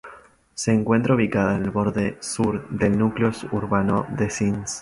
Se encuentra ubicada en el borde sur del núcleo urbano de Sins.